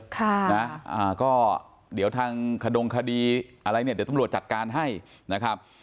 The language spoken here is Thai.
ค่ะนะอ่าก็เดี๋ยวทางขดงคดีอะไรเนี่ยเดี๋ยวตำรวจจัดการให้นะครับ